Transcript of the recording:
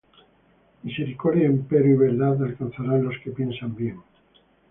Misericordia empero y verdad alcanzarán los que piensan bien.